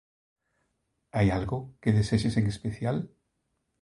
Hai algo que desexes en especial?